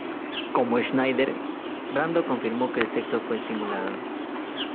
Como Schneider, Brando confirmó que el sexo fue simulado.